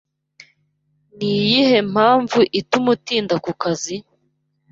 Niyihe mpamvu ituma utinda ku kazi?